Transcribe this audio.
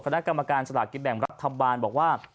คณะกรรมการสลากกินแบ่งรัฐบาลบอกว่า